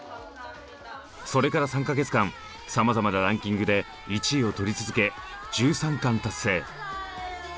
それから３か月間様々なランキングで１位を取り続け１３冠達成。